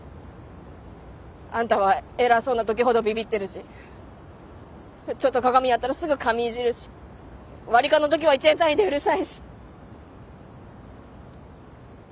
あんたは偉そうなときほどビビってるしちょっと鏡あったらすぐ髪いじるし割り勘のときは１円単位でうるさいし。